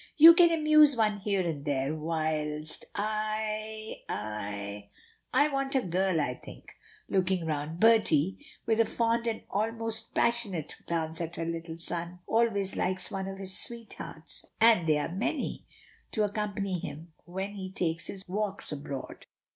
"You can amuse one here and there, whilst I I I want a girl, I think," looking round. "Bertie," with a fond, an almost passionate glance at her little son "always likes one of his sweethearts (and they are many) to accompany him when he takes his walks abroad."